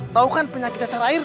tahu kan penyakit cacar air